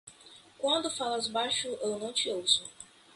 Quando falas baixo eu não te ouço.